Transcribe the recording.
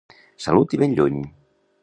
Salut i ben lluny!